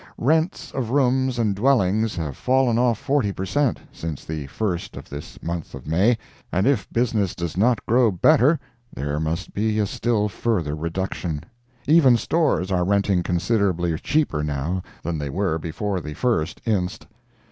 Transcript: Rents of rooms and dwellings have fallen off forty per cent. since the first of this month of May, and if business does not grow better there must be a still further reduction. Even stores are renting considerably cheaper now than they were before the 1st inst.